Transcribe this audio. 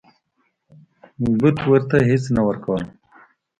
بت ورته هیڅ نه ورکول.